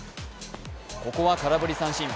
ここは空振り三振。